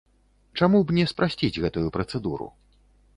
Чаму б не спрасціць гэтую працэдуру?